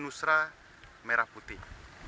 nusra merah putih